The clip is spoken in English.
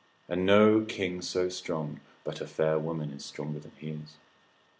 And no king so strong, but a fair woman is stronger than he is.